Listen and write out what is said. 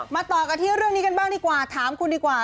ต่อกันที่เรื่องนี้กันบ้างดีกว่าถามคุณดีกว่า